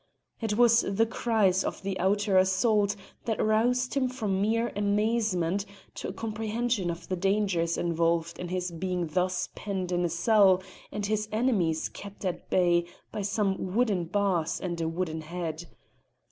It was the cries of the outer assault that roused him from mere amazement to a comprehension of the dangers involved in his being thus penned in a cell and his enemies kept at bay by some wooden bars and a wooden head.